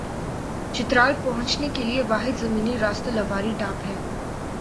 چترال پہنچنے کے لئے واحد زمینی راستہ لواری ٹاپ ہے ۔